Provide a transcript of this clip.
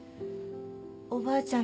おばあちゃん